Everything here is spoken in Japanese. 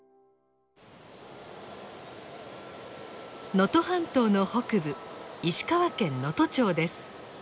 能登半島の北部石川県能登町です。